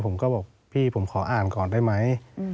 ผมก็บอกพี่ผมขออ่านก่อนได้ไหม